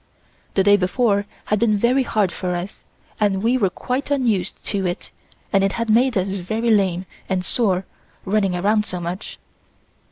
The day before had been very hard for us and we were quite unused to it and it had made us very lame and sore running around so much.